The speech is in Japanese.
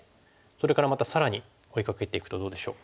それからまた更に追いかけていくとどうでしょう？